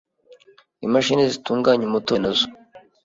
Imashini zitunganya umutobe na zo